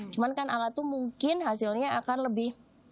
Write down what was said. cuman kan alat itu mungkin hasilnya akan lebih